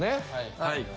はい。